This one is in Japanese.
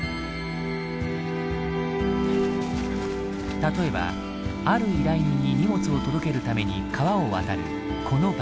例えばある依頼人に荷物を届けるために川を渡るこの場面。